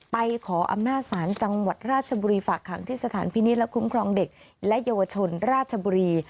ไปขออำนาจศาลจังหวัดราชบุรีฝากขังที่สถานพินิษฐ์และคุ้มครองเด็กและเยาวชนราชบุรี